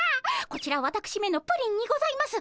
こちらわたくしめのプリンにございます。